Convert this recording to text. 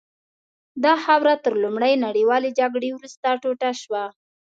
دا خاوره تر لومړۍ نړیوالې جګړې وروسته ټوټه شوه.